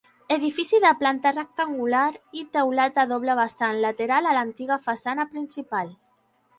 Edifici de planta rectangular i teulat a doble vessant lateral a l'antiga façana principal.